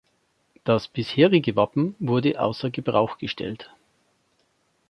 Das bisherige Wappen wurde außer Gebrauch gestellt.